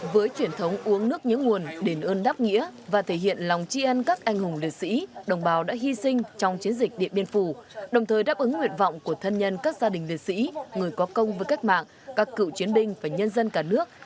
với truyền thống uống nước nhớ nguồn đền ơn đáp nghĩa và thể hiện lòng tri ân các anh hùng liệt sĩ đồng bào đã hy sinh trong chiến dịch điện biên phủ đồng thời đáp ứng nguyện vọng của thân nhân các gia đình liệt sĩ người có công với cách mạng các cựu chiến binh và nhân dân cả nước